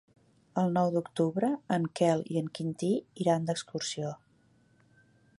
El nou d'octubre en Quel i en Quintí iran d'excursió.